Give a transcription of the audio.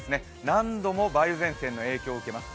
何度も梅雨前線の影響を受けます。